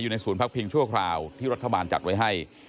อยู่ในศูนย์พักพิงชั่วคราวที่รัฐบาลจัดไว้ให้